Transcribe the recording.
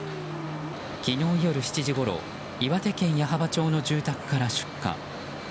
昨日夜７時ごろ岩手県矢巾町の住宅から出火。